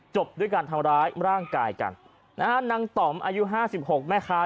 จบด้วยการทำร้ายร่างกายกันนะฮะนางต่อมอายุห้าสิบหกแม่ค้า